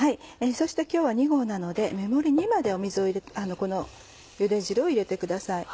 そして今日は２合なので目盛り２までこのゆで汁を入れてください。